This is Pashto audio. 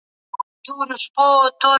د علمي څیړنو ملاتړ ضروري دی.